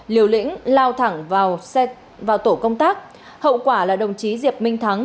liều lĩnh lao thẳng vào tổ công tác hậu quả là đồng chí diệp minh thắng